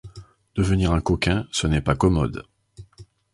Devenir un coquin, ce n’est pas commode.